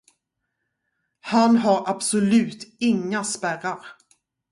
Han har absolut inga spärrar.